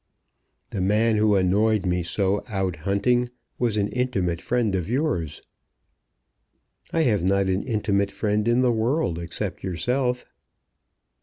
"The man who annoyed me so out hunting was an intimate friend of yours." "I have not an intimate friend in the world except yourself."